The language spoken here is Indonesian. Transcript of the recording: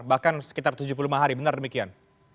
bahkan sekitar tujuh puluh lima hari benar demikian